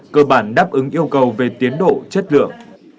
cơ bản đáp ứng yêu cầu về tiến độ chất lượng